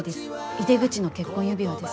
井手口の結婚指輪です。